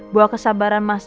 buat kesabaran mahasiswa